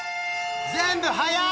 全部早っ！